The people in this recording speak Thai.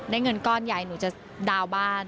เงินก้อนใหญ่หนูจะดาวน์บ้าน